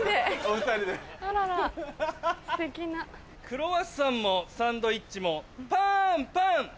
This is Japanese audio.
クロワッサンもサンドイッチもパンパン。